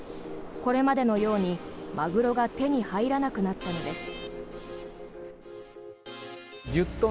これまでのように、マグロが手に入らなくなったのです。